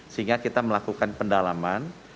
sehingga kita melakukan pendalaman